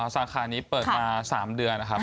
สาขานี้เปิดมา๓เดือนนะครับ